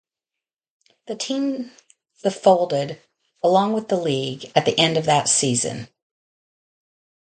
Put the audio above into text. The team the folded, along with the league, at the end of that season.